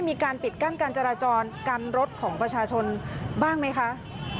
มีการปิดกั้นการจราจรกันรถของประชาชนบ้างไหมคะ